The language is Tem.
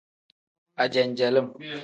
Ajenjelim.